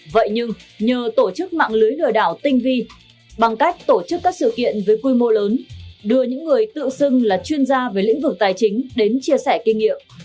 vậy nhưng nhờ tổ chức mạng lưới lừa đảo tinh vi bằng cách tổ chức các sự kiện với quy mô lớn đưa những người tự xưng là chuyên gia về lĩnh vực tài chính đến chia sẻ kinh nghiệm